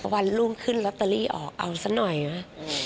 วันรุ่งขึ้นลอตเตอรี่ออกเอาซะหน่อยนะ